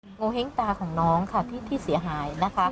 โงเห้งตาของน้องค่ะที่เสียหายนะคะ